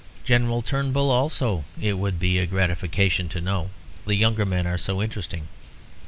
General Turnbull, also, it would be a gratification to know. The younger men are so interesting.